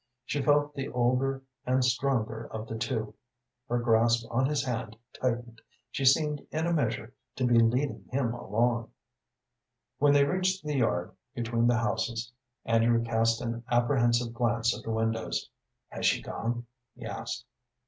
She felt the older and stronger of the two. Her grasp on his hand tightened, she seemed in a measure to be leading him along. When they reached the yard between the houses Andrew cast an apprehensive glance at the windows. "Has she gone?" he asked.